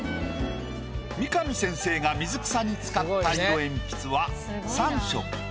三上先生が水草に使った色鉛筆は３色。